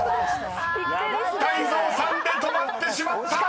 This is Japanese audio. ［泰造さんで止まってしまった！］